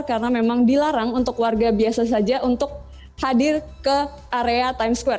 karena memang dilarang untuk warga biasa saja untuk hadir ke area times square